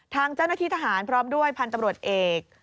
ทางเจ้าหน้าที่ทหารพร้อมด้วยพันธุ์ตำรวจเอก